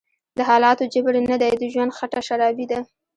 دحالاتو_جبر_نه_دی_د_ژوند_خټه_شرابي_ده